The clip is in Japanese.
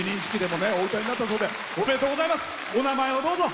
お所と、お名前をどうぞ。